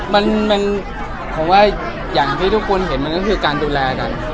มันผมว่าอย่างที่ทุกคนเห็นมันก็คือการดูแลกัน